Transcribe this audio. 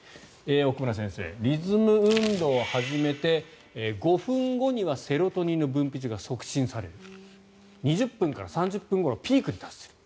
奥村先生、リズム運動を始めて５分後にはセロトニンの分泌が促進される２０分から３０分ごろピークに達する。